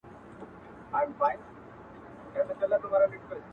چي دا وږي د وطن په نس ماړه وي,